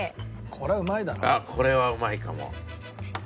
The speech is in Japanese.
これはうまいだろ。